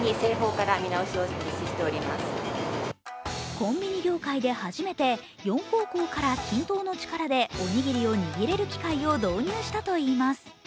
コンビニ業界で初めて４方向から均等の力でおにぎりを握れる機械を導入したといいます。